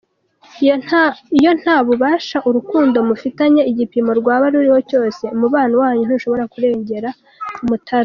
Iyo nta bushake, urukundo mufitanye igipimo rwaba rururiho cyose, umubano wanyu ntushobora kurenga umutaru.